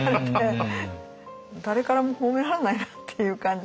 誰からも褒めらんないなっていう感じの。